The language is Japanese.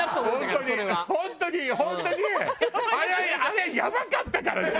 本当に本当にあれはやばかったからね